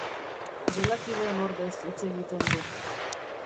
Gelakideen ordez hitz egiten du.